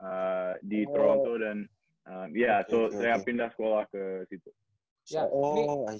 ya jadi saya pindah sekolah ke situ